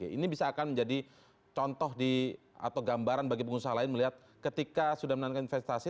ini bisa akan menjadi contoh atau gambaran bagi pengusaha lain melihat ketika sudah menanamkan investasi